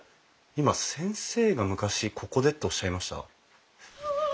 今先生が昔ここでっておっしゃいました？